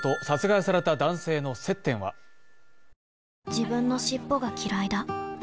自分の尻尾がきらいだ